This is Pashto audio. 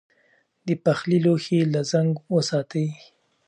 د پخلي لوښي له زنګ وساتئ.